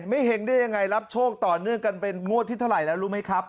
เห็งได้ยังไงรับโชคต่อเนื่องกันเป็นงวดที่เท่าไหร่แล้วรู้ไหมครับ